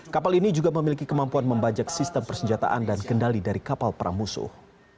kapal ini juga memiliki kemampuan membajak sistem persenjataan dan kendali dari kapal perang musuh